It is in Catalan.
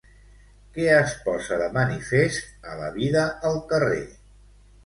Què es posa de manifest a “La vida al carrer”?